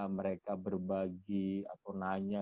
mereka berbagi atau nanya